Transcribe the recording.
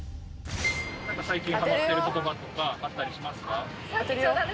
「最近ハマってる言葉とかあったりしますか？」